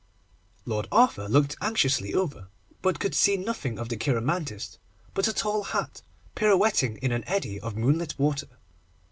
Lord Arthur looked anxiously over, but could see nothing of the cheiromantist but a tall hat, pirouetting in an eddy of moonlit water.